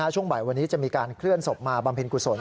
ช่วงบ่ายวันนี้จะมีการเคลื่อนศพมาบำเพ็ญกุศล